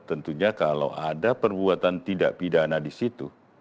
tentunya kalau ada perbuatan tidak pidana disitu